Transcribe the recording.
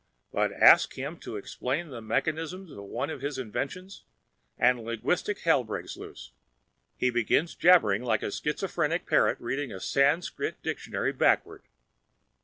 But ask him to explain the mechanism of one of his inventions and linguistic hell breaks loose. He begins jabbering like a schizophrenic parrot reading a Sanskrit dictionary backward!